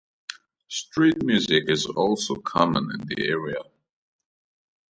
Street music is also common in the area.